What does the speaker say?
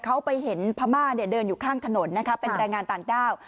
เขาไปเห็นพม่าเนี่ยเดินอยู่ข้างถนนนะคะเป็นแรงงานต่างด้าว